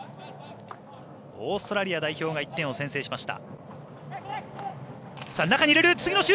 オーストラリア代表が１点を先制しました。